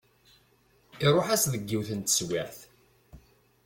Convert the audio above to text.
Iruḥ-as deg yiwet n teswiɛt.